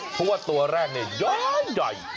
เพราะว่าตัวแรกเนี่ยย้าย